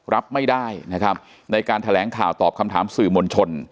รับไม่ได้นะครับในการแถลงข่าวตอบคำถามสื่อมวลชน